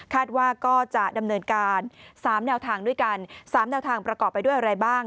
ว่าก็จะดำเนินการ๓แนวทางด้วยกัน๓แนวทางประกอบไปด้วยอะไรบ้าง